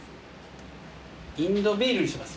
インド・ビールにします。